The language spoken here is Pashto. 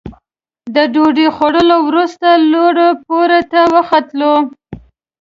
د ډوډۍ خوړلو وروسته لوړ پوړ ته وختلو.